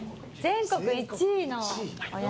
全国１位のお宿。